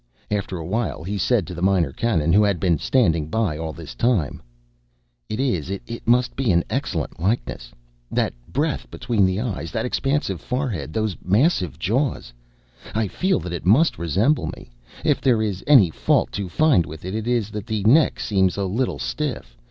After a while he said to the Minor Canon, who had been standing by all this time: "It is, it must be, an excellent likeness! That breadth between the eyes, that expansive forehead, those massive jaws! I feel that it must resemble me. If there is any fault to find with it, it is that the neck seems a little stiff.